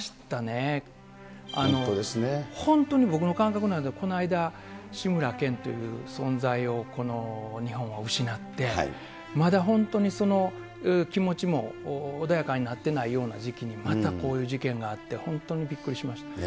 本当に僕の感覚なんですけど、この間、志村けんという存在を、この日本は失って、まだ本当にその気持ちも穏やかになってないような時期にまた、こういう事件があって、本当にびっくりしました。